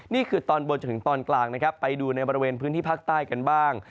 นี่คือตอนบนจนถึงตอนกลางนะครับไปดูในบริเวณพื้นที่ภาคใต้กันบ้าง